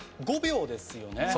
５秒ですよね？